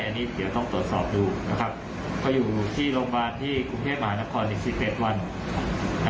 อันนี้เดี๋ยวต้องตรวจสอบดูนะครับเขาอยู่ที่โรงพยาบาลที่กรุงเทพมหานครอีกสิบเอ็ดวัน